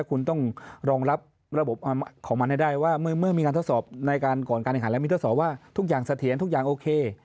คุณต้องรองรับระบบของมันให้ได้ว่าเมื่อมีการทดสอบในการก่อนการแข่งขันแล้วมีทดสอบว่าทุกอย่างเสถียรทุกอย่างโอเค